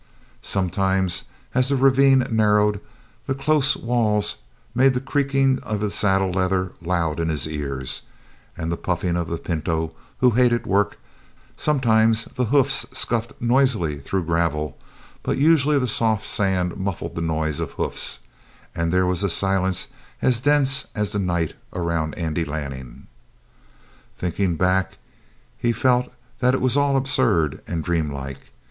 Sometimes, as the ravine narrowed, the close walls made the creaking of the saddle leather loud in his ears, and the puffing of the pinto, who hated work; sometimes the hoofs scuffed noisily through gravel; but usually the soft sand muffled the noise of hoofs, and there was a silence as dense as the night around Andy Lanning. Thinking back, he felt that it was all absurd and dreamlike.